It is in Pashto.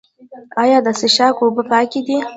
آیا د څښاک اوبه پاکې دي؟